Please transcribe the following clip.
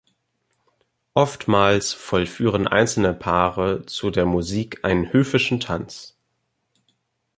Oftmals vollführen einzelne Paare zu der Musik einen höfischen Tanz.